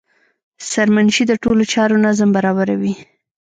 سرمنشي د ټولو چارو نظم برابروي.